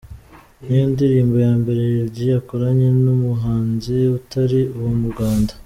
Niyo ndirimbo ya mbere Lil G akoranye n’umuhanzi utari uwo mu Rwanda.